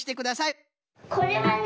これはね